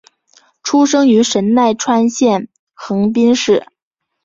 出生于神奈川县横滨市。